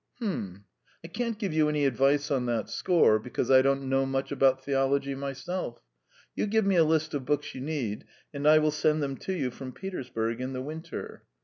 "H'm! ... I can't give you any advice on that score, because I don't know much about theology myself. You give me a list of books you need, and I will send them to you from Petersburg in the winter.